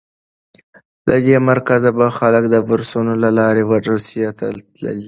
له دې مرکزه به خلک د بورسونو له لارې روسیې ته تلل.